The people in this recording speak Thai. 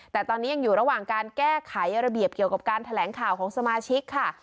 แต่ตอนนี้ยังอยู่ระหว่างการแก้ไขระเบียบเกี่ยวกับการแถลงข่าวของสมาชิกค่ะ